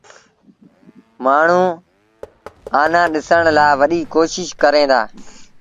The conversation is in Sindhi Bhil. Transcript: مآڻهوٚݩ آنآ ڏسڻ لآ وڏيٚ ڪوشيٚش ڪريݩ دآ۔